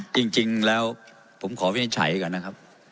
จริงแล้วผมขอวินิจฉัยก่อนนะครับ